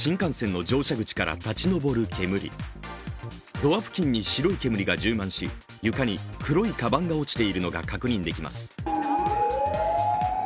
ドア付近に白い煙が充満し床に黒いかばんが落ちているのが確認できます